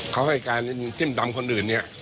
เขาให้การซิ่มตำคนอื่น